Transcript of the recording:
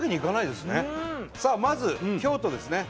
さあまず京都ですね。